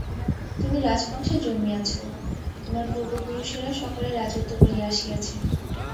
তুমি রাজবংশে জন্মিয়াছ, তোমার পূর্বপুরুষেরা সকলে রাজত্ব করিয়া আসিয়াছেন।